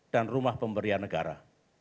dan rumah pemberian negara